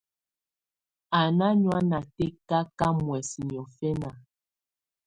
Á ná nùáná tɛkaká muɛ̀sɛ niɔ̀fɛna.